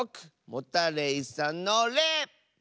モタレイさんの「レ」！